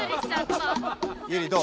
ユウリどう？